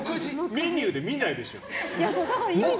メニューで見ないでしょ。